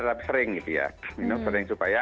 tetapi sering gitu ya minum sering